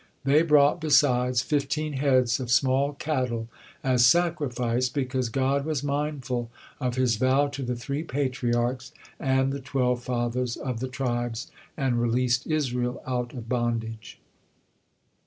They brought, besides, fifteen heads of small cattle as sacrifice, because God was mindful of His vow to the three Patriarchs and the twelve fathers of the tribes, and released Israel out of bondage.